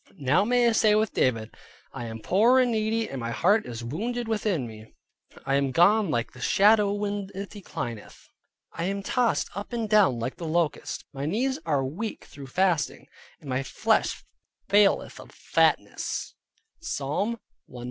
Now may I say with David "I am poor and needy, and my heart is wounded within me. I am gone like the shadow when it declineth: I am tossed up and down like the locust; my knees are weak through fasting, and my flesh faileth of fatness" (Psalm 119.